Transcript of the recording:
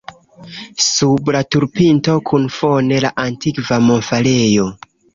Sub la turpinto kun fone la antikva monfarejo.